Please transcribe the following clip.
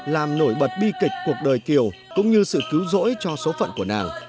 làm nổi bật bi kịch cuộc đời kiều cũng như sự cứu rỗi cho số phận của nàng